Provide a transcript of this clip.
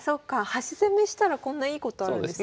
端攻めしたらこんないいことあるんですね。